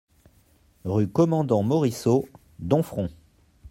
Rue Commandant Moriceau, Domfront